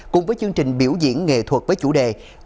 cùng với chương trình biểu diễn nghệ thuật với chủ đề